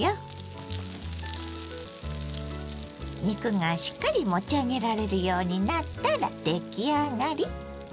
肉がしっかり持ち上げられるようになったら出来上がり。